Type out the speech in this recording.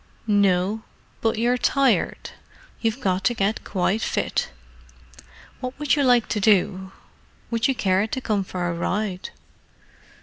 "No—but you're tired. You've got to get quite fit. What would you like to do? Would you care to come for a ride?"